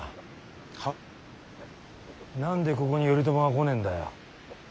は？何でここに頼朝が来ねえんだよ。